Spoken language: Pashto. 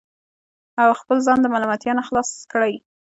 او خپل ځان د ملامتیا نه خلاص کړي